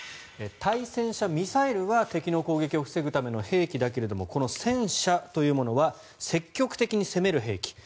対戦車ミサイルは敵の攻撃を防ぐための兵器だけれどもこの戦車というものは積極的に攻める兵器。